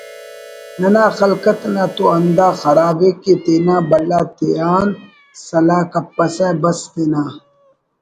ننا خلقت نا تو ہندا خراب ءِ کہ تینا بھلا تیان سلاہ کپسہ بس تینا